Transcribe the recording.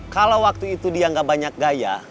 kalau waktu itu dia gak banyak gaya